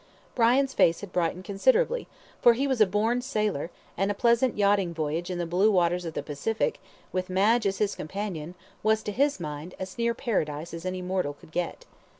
Brian's face had brightened considerably, for he was a born sailor, and a pleasant yachting voyage in the blue waters of the Pacific, with Madge as his companion, was, to his mind, as near Paradise as any mortal could get.